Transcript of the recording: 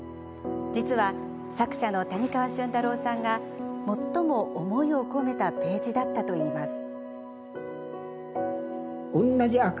実は作者の谷川俊太郎さんが最も思いを込めたページだったといいます。